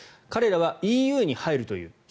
彼らはＥＵに入るという。